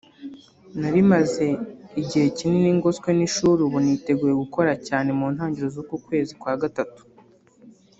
narimaze igihe kinini ngoswe n’ishuri ubu niteguye gukora cyane mu ntangiriro z’uku kwezi kwagatatu”